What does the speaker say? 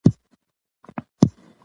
پښتو د تعلیمي موادو لپاره غوره ژبه ده.